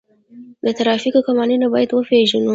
د ترافیکو قوانین باید وپیژنو.